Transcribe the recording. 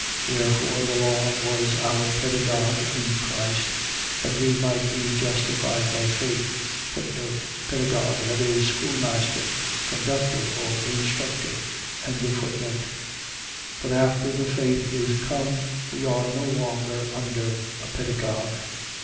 3:24. Wherefore the law was our pedagogue in Christ: that we might be justified by faith. Pedagogue. . .That is, schoolmaster, conductor, or instructor. 3:25. But after the faith is come, we are no longer under a pedagogue.